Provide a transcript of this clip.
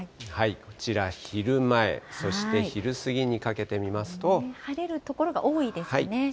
こちら、昼前、そして昼過ぎにか晴れる所が多いですかね。